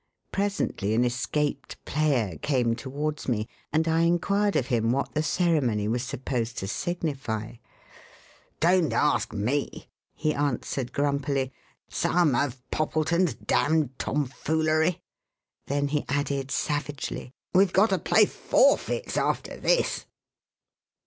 Presently an escaped player came towards me, and I enquired of him what the ceremony was supposed to signify. "Don't ask me," he answered grumpily. "Some of Poppleton's damned tomfoolery." Then he added savagely, "We've got to play forfeits after this."